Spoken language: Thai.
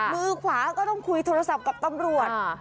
มือขวาก็ต้องคุยโทรศัพท์กับตำรวจ